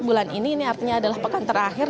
dan ini artinya adalah pekan terakhir